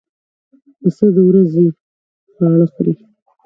پسه د ورځې خواړه خوري.